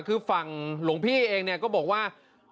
คือฝั่งหลวงพี่เองเนี่ยก็บอกว่า